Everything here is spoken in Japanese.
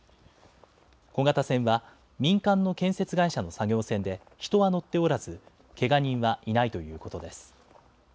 小型船は民間の建設会社の作業船で人は乗っておらずけが人はいないということです。